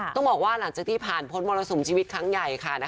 ต้องบอกว่าหลังจากที่ผ่านพ้นมรสุมชีวิตครั้งใหญ่ค่ะ